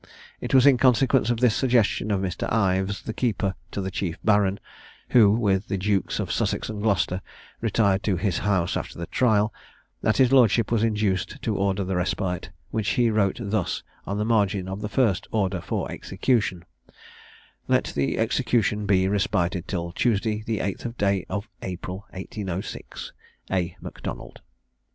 It was in consequence of this suggestion of Mr. Ives, the keeper, to the Chief Baron (who, with the Dukes of Sussex and Gloucester, retired to his house after the trial), that his lordship was induced to order the respite, which he wrote thus on the margin of the first order for execution: "Let the execution be respited till Tuesday, the 8th day of April, 1806. "A. MACDONALD."